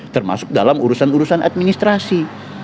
termasuk dalam urusan urusan administrasi